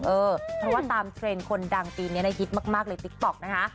เพราะว่าตามเทรนด์คนดังปีนี้นะฮิตมากเลยติ๊กต๊อกนะคะ